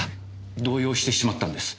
動揺してしまったんです。